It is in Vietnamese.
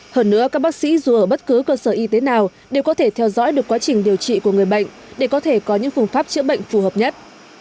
hơn nữa các bác sĩ dù ở bất cứ cơ sở y tế nào đều có thể theo dõi được quá trình điều trị của người bệnh để có thể có những phương pháp chữa bệnh phù hợp nhất